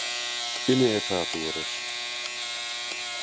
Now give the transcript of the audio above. Ine, esasy göreş.